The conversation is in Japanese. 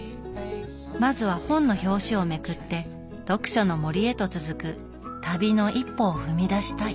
まずは本の表紙をめくって読書の森へと続く旅の一歩を踏み出したい。